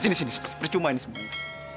sini sini sini bersumah ini semuanya